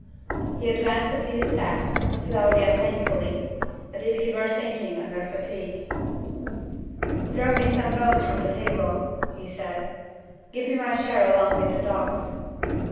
He advanced a few steps, slowly and painfully, as if he were sinking under fatigue. "Throw me some bones from the table," he said. "Give me my share along with the dogs."